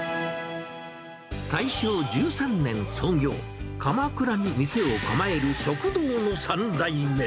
大正１３年創業、鎌倉に店を構える食堂の３代目。